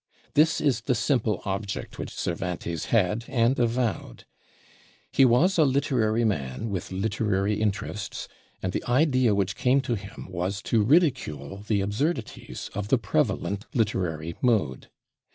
This is the simple object which Cervantes had and avowed. He was a literary man with literary interests, and the idea which came to him was to ridicule the absurdities of the prevalent literary mode.